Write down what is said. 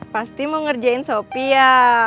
pasti mau ngerjain sopi ya